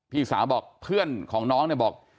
พี่สาวบอกเพื่อนของน้องเนี่ยบอก